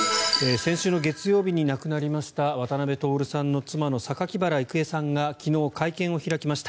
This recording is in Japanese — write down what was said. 先週の月曜日に亡くなりました渡辺徹さんの妻の榊原郁恵さんが昨日、会見を開きました。